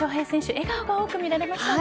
笑顔が多く見られましたね。